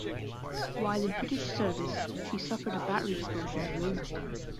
While in British service she suffered a battery explosion at Weymouth.